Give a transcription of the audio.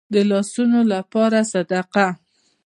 د لاسونو لپاره صدقه.